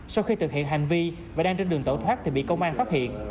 sau khi thực hiện hành vi và đang trên đường tẩu thoát thì bị công an phát hiện